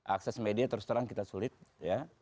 akses media terus terang kita sulit ya